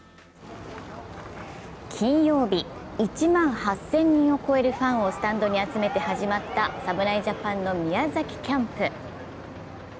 金曜日、１万８０００人を超えるファンをスタンドに集めて始まった侍ジャパンの宮崎キャンプ。